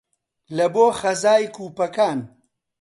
لە بۆ خەزای کوپەکان